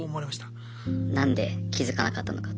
何で気付かなかったのかと。